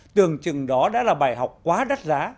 tường trừng đó đã là bài học quá đắt giá